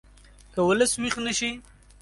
که ولس ویښ نه شي